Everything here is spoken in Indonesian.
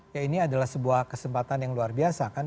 ya ini adalah sebuah kesempatan yang luar biasa kan